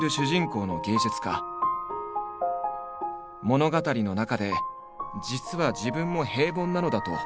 物語の中で実は自分も平凡なのだと悟っていく。